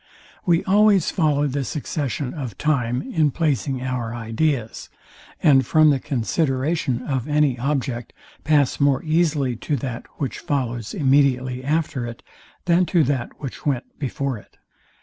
We always follow the succession of time in placing our ideas, and from the consideration of any object pass more easily to that, which follows immediately after it, than to that which went before it.